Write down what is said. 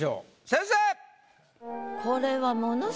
先生！